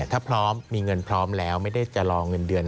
ถ้าพร้อมมีเงินพร้อมแล้วไม่ได้จะรอเงินเดือน